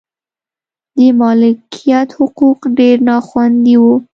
د مالکیت حقوق ډېر نا خوندي و.